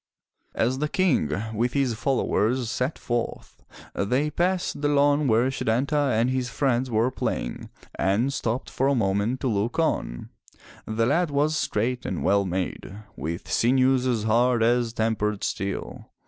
As the King, with his followers, set forth, they passed the lawn where Setanta and his friends were playing and stopped for a moment to look on. The lad was straight and well made, with sinews as hard as tempered steel.